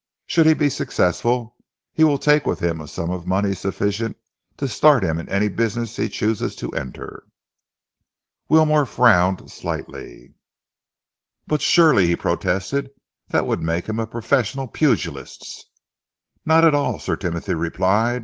"Should he be successful, he will take with him a sum of money sufficient to start him in any business he chooses to enter." Wilmore frowned slightly. "But surely," he protested, "that would make him a professional pugilist?" "Not at all," Sir Timothy replied.